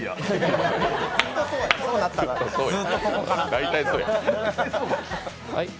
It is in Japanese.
大体そうや。